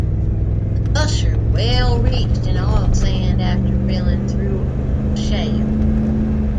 The "gusher" well reached an oil sand after drilling through of shale.